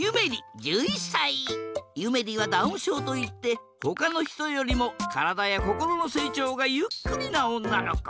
ゆめりはダウンしょうといってほかのひとよりもからだやこころのせいちょうがゆっくりなおんなのこ。